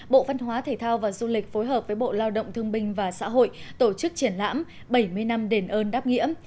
bộ văn hóa thể thao và du lịch phối hợp với bộ lao động thương binh và xã hội tổ chức triển lãm bảy mươi năm đền ơn đáp nghĩa